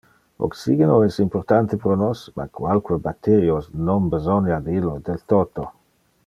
Oxygeno es importante pro nos, ma qualque bacterio non besonia de illo del toto.